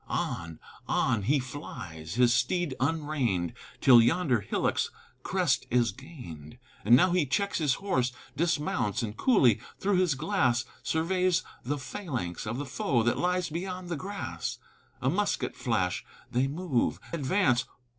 On, on, he flies, his steed unreined Till yonder hillock's crest is gained. And now he checks his horse, dismounts, And coolly through his glass Surveys the phalanx of the foe That lies beyond the grass. A musket flash! They move! Advance!